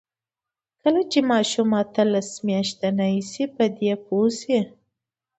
کله چې ماشوم اتلس میاشتنۍ شي، په دې پوه شي.